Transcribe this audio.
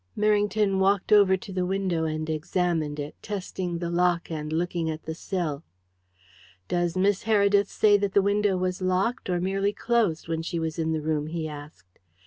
Merrington walked over to the window and examined it, testing the lock and looking at the sill. "Does Miss Heredith say that the window was locked, or merely closed, when she was in the room?" he asked.